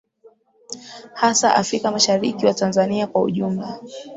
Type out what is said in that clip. hasa afrika mashariki wa tanzania kwa ujumla